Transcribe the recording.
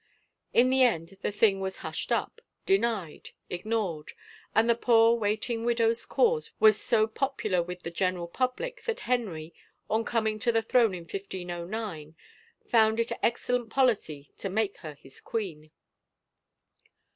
In the end the thing was hushed up, denied, ignored, and the poor wait ing widow's 6ause was so popular with the general public that Henry, on coming to the throne in 1509, found it excellent policy to make her his queen.